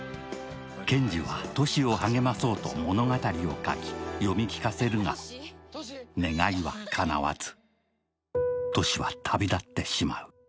賢治はトシを励まそうと物語を書き読み聞かせるが、願いはかなわずトシは旅立ってしまう。